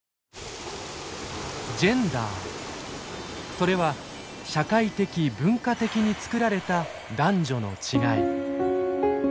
それは社会的文化的に作られた男女の違い。